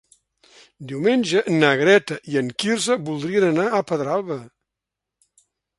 Diumenge na Greta i en Quirze voldrien anar a Pedralba.